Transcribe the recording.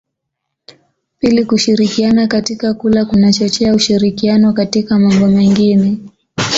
Pili kushirikiana katika kula kunachochea ushirikiano katika mambo mengine